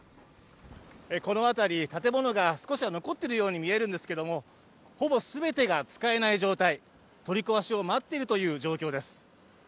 この辺り、建物が少しは残ってるようにみえるんですけどほぼ全てが使えない状態、取り壊しを待っているという状況です。